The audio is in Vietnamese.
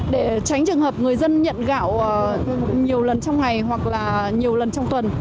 để tránh trường hợp người dân nhận gạo nhiều lần trong ngày hoặc là nhiều lần trong tuần